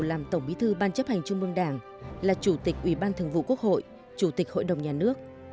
làm tổng bí thư ban chấp hành trung mương đảng là chủ tịch ủy ban thường vụ quốc hội chủ tịch hội đồng nhà nước